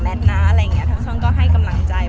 แม็กซ์ก็คือหนักที่สุดในชีวิตเลยจริง